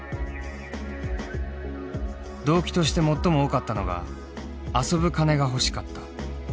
動機として最も多かったのが「遊ぶ金が欲しかった」。